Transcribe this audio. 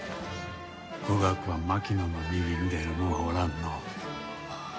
語学は槙野の右に出る者はおらんのう。